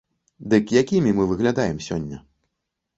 Дык якімі мы выглядаем сёння?